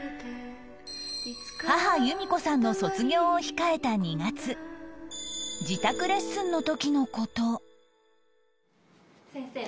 母由見子さんの卒業を控えた２月自宅レッスンの時の事